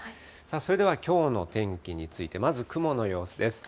それでは、きょうの天気について、まず雲の様子です。